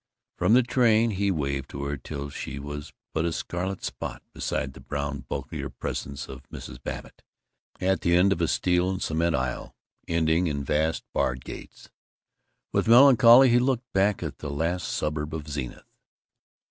From the train he waved to her till she was but a scarlet spot beside the brown bulkier presence of Mrs. Babbitt, at the end of a steel and cement aisle ending in vast barred gates. With melancholy he looked back at the last suburb of Zenith.